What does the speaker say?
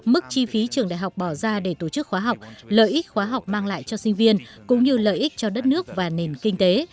mức chi phí trường đại học bỏ ra để tổ chức khóa học lợi ích khóa học mang lại cho sinh viên cũng như lợi ích cho đất nước và nền kinh tế